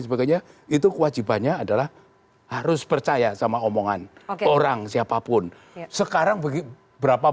sebagainya itu kewajibannya adalah harus percaya sama omongan orang siapapun sekarang begitu berapa